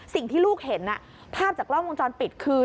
สิ่งที่ลูกเห็นภาพจากกล้องวงจรปิดคือ